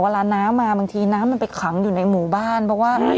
เวลาน้ำมาบางทีน้ำมันไปขังอยู่ในหมู่บ้านเพราะว่า